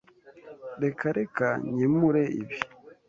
Reka reka nkemure ibi.